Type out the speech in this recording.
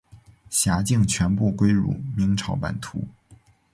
辖境全部归入明朝版图。